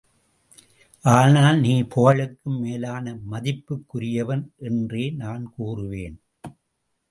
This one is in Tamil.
ஆனால் நீ புகழுக்கும் மேலான மதிப்புக்குரியவன் என்றே நான் கூறுவேன்.